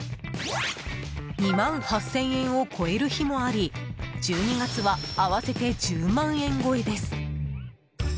２万８０００円を超える日もあり１２月は合わせて１０万円超えです。